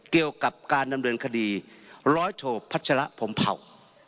เกี่ยวกับการดำเนินคดีร้อยโทพัชระพรมเผ่า